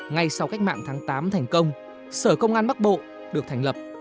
ngay sau cách mạng tháng tám thành công sở công an bắc bộ được thành lập